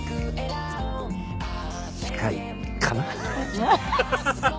近いかな？